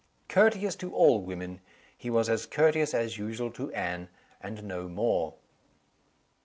Courteous to all women, he was as courteous as usual to Anne and no more.